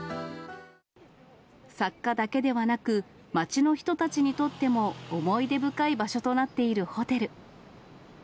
作家だけではなく、街の人たちにとっても思い出深い場所となっているホテル。